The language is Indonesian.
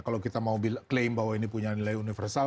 kalau kita mau klaim bahwa ini punya nilai universal